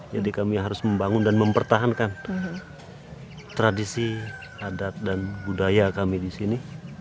jadi kami harus membangun dan mempertahankan tradisi adat dan budaya kami di sini